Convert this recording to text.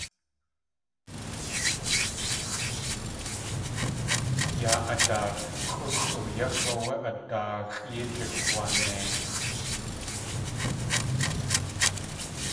Yáa a daat xʼúxʼ yáx̲ áwé a daaxʼ yéi jix̲waanei.